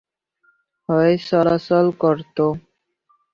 হয়ে চলাচল করতো।